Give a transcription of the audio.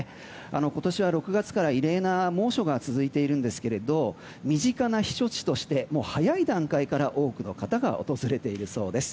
今年は６月から異例な猛暑が続いているんですけども身近な避暑地として早い段階から多くの方が訪れているそうです。